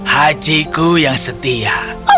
hachiku yang setia